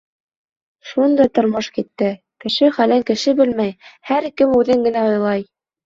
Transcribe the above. Шундай тормош китте: кеше хәлен кеше белмәй, һәр кем үҙен генә уйлай.